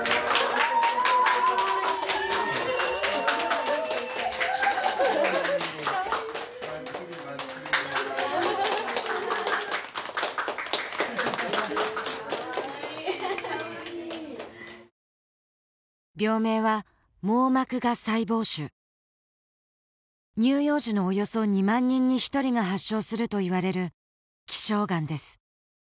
・バッチリバッチリ・かわいい・かわいい病名は網膜芽細胞腫乳幼児のおよそ２万人に１人が発症するといわれる希少がんです